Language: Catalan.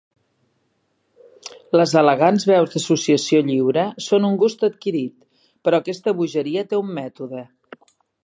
Les elegants veus d'associació lliure són un gust adquirit, però aquesta bogeria té un mètode.